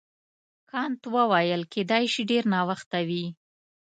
کانت وویل کیدای شي ډېر ناوخته وي.